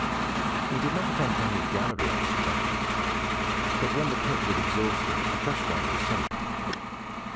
He did not attempt any gallery excavations, but when the pit was exhausted, a fresh one was sunk.